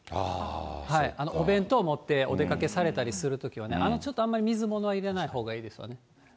お弁当持ってお出かけされたりするときは、ちょっとあんまり水物は入れないほうがいいですね。